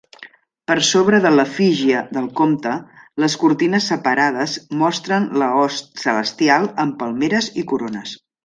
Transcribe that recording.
Per sobre de l'efígie del compte, les cortines separades mostren la host celestial amb palmeres i corones.